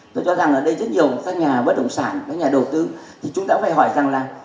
tôi cho rằng ở đây rất nhiều các nhà bất động sản các nhà đầu tư thì chúng ta cũng phải hỏi rằng là